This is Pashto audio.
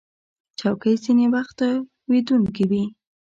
چوکۍ ځینې وخت تاوېدونکې وي.